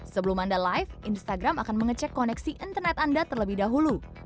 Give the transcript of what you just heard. sebelum anda live instagram akan mengecek koneksi internet anda terlebih dahulu